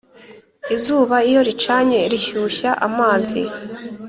Izuba iyo ricanye rishyushya amazi